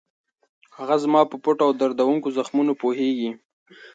هغه زما په پټو او دردوونکو زخمونو پوهېږي.